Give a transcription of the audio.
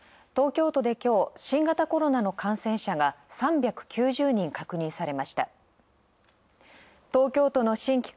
東京都で今日新型コロナの感染者が３９０人確認されました。